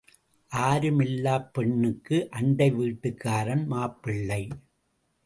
ஆரும் இல்லாப் பெண்ணுக்கு அண்டை வீட்டுக்காரன் மாப்பிள்ளை.